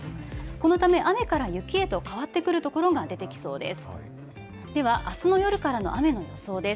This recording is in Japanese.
このため雨から雪へと変わってくる所が出てきそうです。